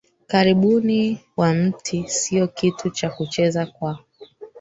karibuni wa mti sio kitu cha kucheza kwa